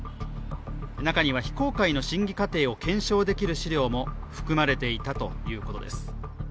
中には非公開の審議過程を検証できる資料も含まれていたということです。